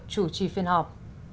chủ trì phiên họp